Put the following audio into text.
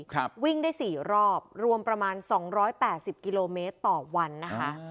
ครับวิ่งได้สี่รอบรวมประมาณสองร้อยแปดสิบกิโลเมตรต่อวันนะคะ